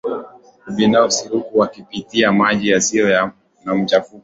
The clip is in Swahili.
kibinafsi huku wakipitia maji yasiyo na machafuko